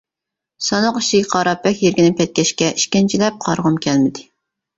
ساندۇق ئىچىگە قاراپ بەك يىرگىنىپ كەتكەچكە ئىككىنچىلەپ قارىغۇم كەلمىدى.